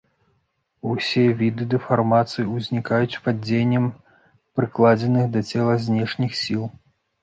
Усе віды дэфармацый узнікаюць пад дзеяннем прыкладзеных да цела знешніх сіл.